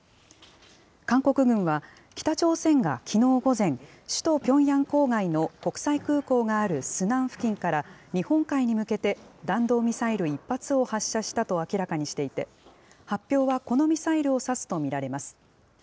韓国軍は、北朝鮮がきのう午前、首都ピョンヤン郊外の国際空港があるスナン付近から日本海に向けて、弾道ミサイル１発を発射したと明らかにしていて、発表はこのミサイルを指すと見られます。